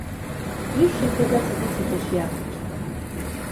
რის შემდეგაც იგი ციხეში აღმოჩნდა.